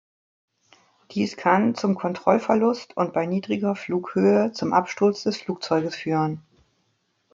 Dies kann zum Kontrollverlust und bei niedriger Flughöhe zum Absturz des Flugzeuges führen.